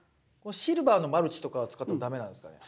シルバーのマルチとかは使っても駄目なんですかね？